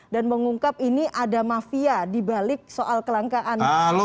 dan mengungkap ini ada mafia dibalik soal kelangkaan